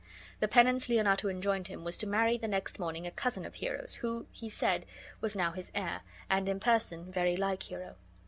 The penance Leonato enjoined him was to marry the next morning a cousin of Hero's, who, he said, was now his heir, and in person very like Hero.